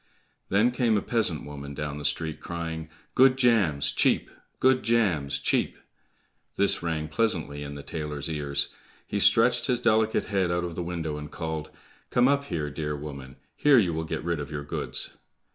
Then came a peasant woman down the street crying, "Good jams, cheap! Good jams, cheap!" This rang pleasantly in the tailor's ears; he stretched his delicate head out of the window, and called, "Come up here, dear woman; here you will get rid of your goods."